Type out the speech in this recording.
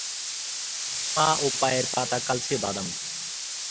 পা ও পায়ের পাতা কালচে বাদামি।